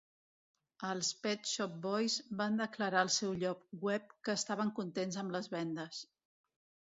Els Pet Shop Boys van declarar al seu lloc web que estaven contents amb les vendes.